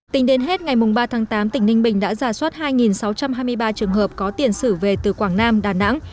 tính đến hết ngày ba tháng tám tỉnh ninh bình đã giả soát hai sáu trăm hai mươi ba trường hợp có tiền sử về từ quảng nam đà nẵng